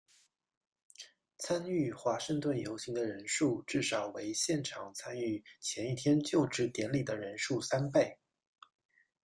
参与华盛顿游行的人数至少为现场参与前一天就职典礼的人数三倍。